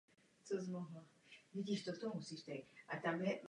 Psal odborné články a básně.